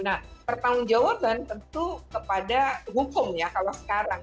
nah pertanggung jawaban tentu kepada hukum ya kalau sekarang